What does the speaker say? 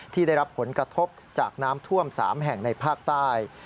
ที่ได้รับผลกระทบจากน้ำท่วม๓แห่งในภาคใต้